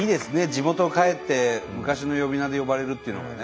地元帰って昔の呼び名で呼ばれるっていうのはね。